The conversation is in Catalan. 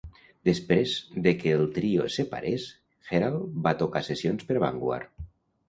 Després de que el trio es separés, Herald va tocar sessions per Vanguard.